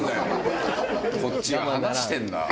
こっちは話してんだ！